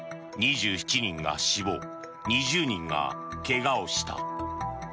２７人が死亡２０人が怪我をした。